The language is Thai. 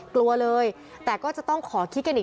เพราะถ้าไม่ฉีดก็ไม่ได้